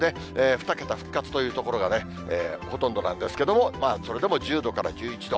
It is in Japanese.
２桁復活という所がほとんどなんですけども、それでも１０度から１１度。